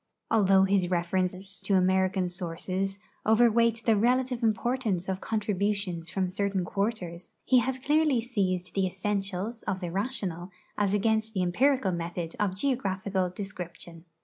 Although his references to American sources overweight the relative importance of contributions from certain quarters, he has clearly seized the essentials of the rational as against the empirical method of geographical description.